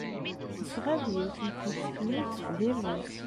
Nesɣa-d yiwet n temseknewt tgerrez.